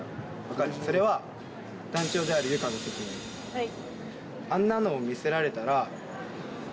はい。